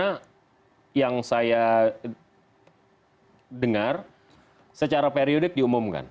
karena yang saya dengar secara periodik diumumkan